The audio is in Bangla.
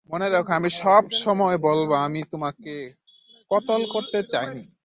মনে রেখ, আমি সব সময় বলব, আমি তোমাকে কতল করতে চাইনি।